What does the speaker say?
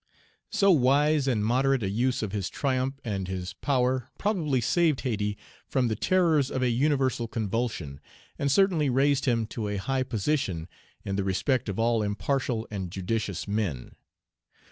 So wise and moderate a use of his triumph and his power probably saved Hayti from the terrors of a universal convulsion, and certainly raised him to a high position in the respect of all impartial and judicious men.